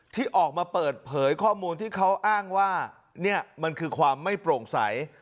ที่ออกมาเปิดเผยข้อมูลที่เขาอ้างว่านี่มันคือความไม่โปร่งใส